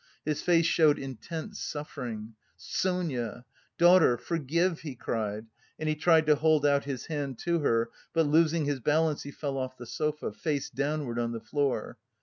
His face showed intense suffering. "Sonia! Daughter! Forgive!" he cried, and he tried to hold out his hand to her, but losing his balance, he fell off the sofa, face downwards on the floor.